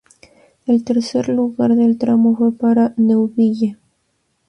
El tercer lugar del tramo fue para Neuville.